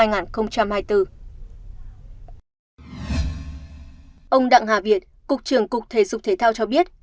ông đặng hà việt cục trưởng cục thể dục thể thao cho biết